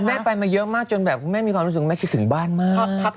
แม่ไปมาเยอะมากจนแบบแม่มีความรู้สึกแม่คิดถึงบ้านมาก